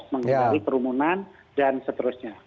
mengurangi perumunan dan seterusnya